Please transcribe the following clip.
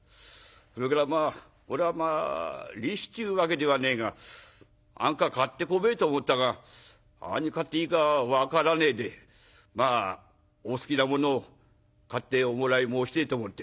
それからこれはまあ利子っちゅうわけではねえが何か買ってこべえと思ったが何買っていいか分からねえでまあお好きなものを買っておもらい申してえと思って」。